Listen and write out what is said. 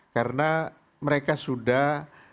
karena mereka sudah